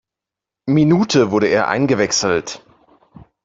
Minute wurde er eingewechselt.